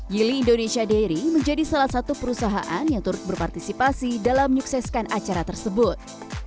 yili indonesia dairy menjadi salah satu perusahaan yang turut berpartisipasi dalam menyukseskan acara tersebut